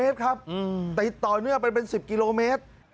ติดต่อเนื้อเป็น๑๐กิโลเมตรครับ